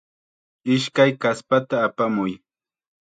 Ishkay kaspata apamuy.